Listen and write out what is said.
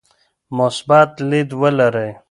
مثبت لید ولرئ.